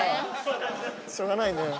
しょうがないね。